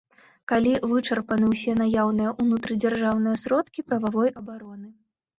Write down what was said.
Калі вычарпаны ўсе наяўныя ўнутрыдзяржаўныя сродкі прававой абароны.